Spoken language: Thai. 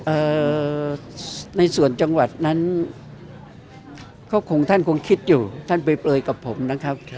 เอ่อในส่วนจังหวัดนั้นก็คงท่านคงคิดอยู่ท่านไปเปลยกับผมนะครับ